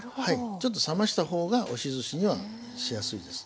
ちょっと冷ました方が押しずしにはしやすいです。